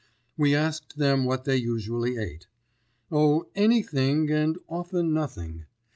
We asked them what they usually ate. Oh, anything and often nothing.